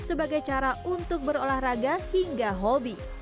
sebagai cara untuk berolahraga hingga hobi